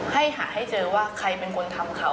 ให้หาให้เจอว่าใครเป็นคนทำเขา